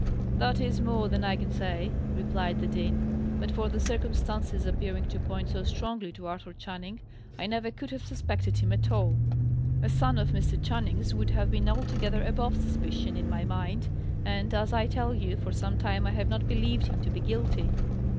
"That is more than I can say," replied the dean. "But for the circumstances appearing to point so strongly to Arthur Channing, I never could have suspected him at all. A son of Mr. Channing's would have been altogether above suspicion, in my mind: and, as I tell you, for some time I have not believed him to be guilty."